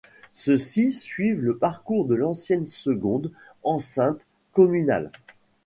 Ceux-ci suivent le parcours de l'ancienne seconde enceinte communale.